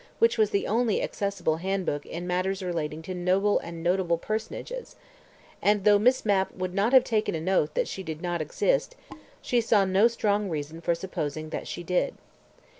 which was the only accessible handbook in matters relating to noble and notable personages, and though Miss Mapp would not have taken an oath that she did not exist, she saw no strong reason for supposing that she did.